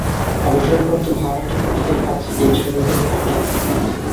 অবসরপ্রাপ্ত ভাড়াটে খুনিদের কাছে এই ছবিগুলো পাঠাও!